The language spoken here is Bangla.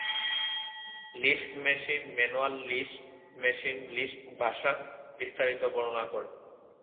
Lisp machine manual Lisp machine Lisp ভাষা বিস্তারিত বর্ণনা করে।